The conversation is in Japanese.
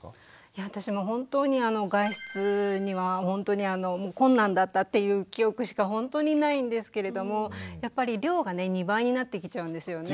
いや私も本当に外出には本当に困難だったっていう記憶しか本当にないんですけれどもやっぱり量がね２倍になってきちゃうんですよね。